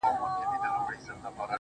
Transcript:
• زما خو ټوله زنده گي توره ده.